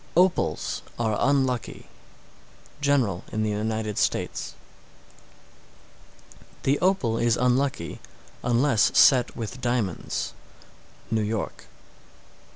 Opals are unlucky. General in the United States. 674. The opal is unlucky, unless set with diamonds. _New York.